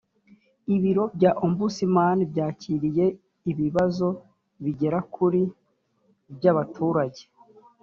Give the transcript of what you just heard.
ibiro bya ombudsman byakiriye ibibazo bigera kuri by abaturage